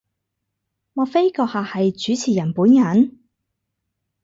莫非閣下係主持人本人？